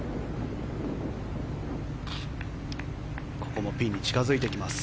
ここもピンに近付いてきます。